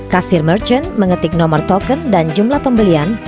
kasir merchant mengetik nomor token dan jumlah pembelian